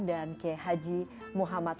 dan ke haji muhammad